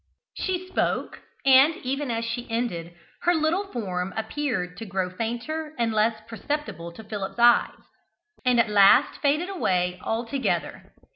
She spoke; and, even as she ended, her little form appeared to grow fainter and less perceptible to Philip's eyes, and at last faded away altogether.